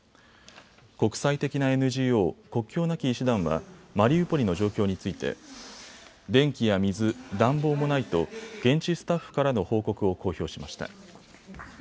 国際的なＮＧＯ、国境なき医師団はマリウポリの状況について電気や水、暖房もないと現地スタッフからの報告を公表しました。